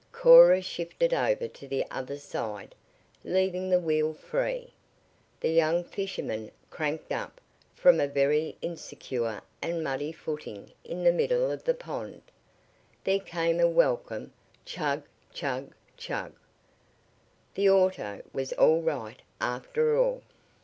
Cora shifted over to the other side, leaving the wheel free. The young fisherman cranked up, from a very insecure and muddy footing in the middle of the pond. There came a welcome "Chug! chug! chug!" The auto was all right, after all.